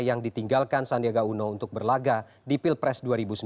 yang ditinggalkan sandiaga uno untuk berlaga di pilpres dua ribu sembilan belas